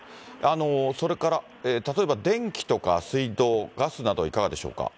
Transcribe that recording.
それから例えば電気とか水道、ガスなどはいかがでしょうか。